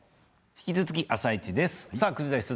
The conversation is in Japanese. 引き続き「あさイチ」です。